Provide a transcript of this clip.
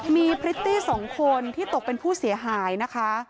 มีพริตตี้สองคนที่ตกเป็นผู้เสียหายนะคะ